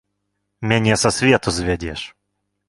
Мяне са свету звядзеш.